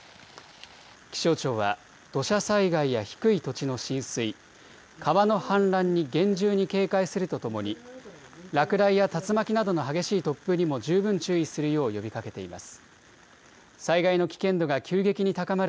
気象庁は土砂災害や低い土地の浸水、川の氾濫に厳重に警戒するとともに落雷や竜巻などの激しい突風にも十分注意するよう呼びかけています。